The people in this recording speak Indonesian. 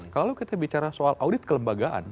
kalau kita bicara soal audit kelembagaan